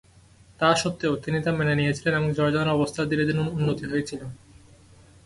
তা সত্ত্বেও, তিনি তা মেনে নিয়েছিলেন এবং জর্ডানের অবস্থার ধীরে ধীরে উন্নতি হয়েছিল।